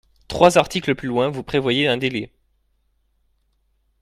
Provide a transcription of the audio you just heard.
Trois articles plus loin, vous prévoyez un délai.